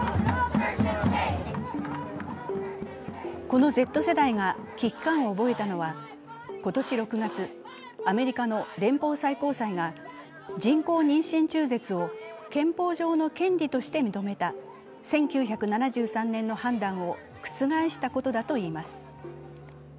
このＺ世代が危機感を覚えたのは今年６月、アメリカの連邦最高裁が人工妊娠中絶を憲法上の権利として認めた１９７３年の判断を覆したことだといいます。